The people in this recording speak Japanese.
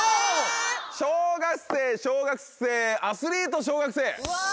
小学生小学生アスリート小学生。